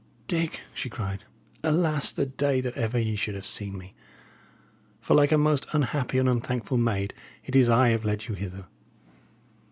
"Dick!" she cried, "alas the day that ever ye should have seen me! For like a most unhappy and unthankful maid, it is I have led you hither."